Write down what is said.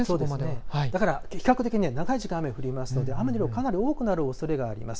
比較的長い時間、雨が降りますので雨の量かなり多くなるおそれがあります。